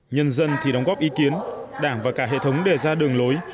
nhân dân thì đóng góp ý kiến đảng và cả hệ thống đề ra đường lối